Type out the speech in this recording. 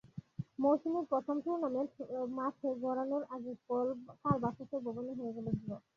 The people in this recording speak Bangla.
মৌসুমের প্রথম টুর্নামেন্ট মাঠে গড়ানোর আগে কাল বাফুফে ভবনে হয়ে গেল ড্র।